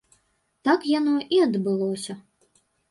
Так яно і адбылося.